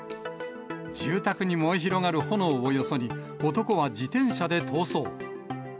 住宅に燃え広がる炎をよそに、男は自転車で逃走。